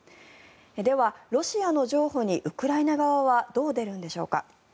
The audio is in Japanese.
では、ロシアの譲歩にウクライナ側はどう出るんでしょうか。